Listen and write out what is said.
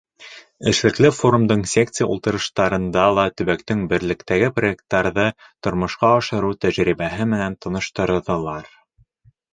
Эшлекле форумдың секция ултырыштарында ла төбәктең берлектәге проекттарҙы тормошҡа ашырыу тәжрибәһе менән таныштырҙылар.